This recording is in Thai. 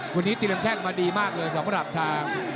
วันนี้เตรียมแข้งมาดีมากเลยสำหรับทาง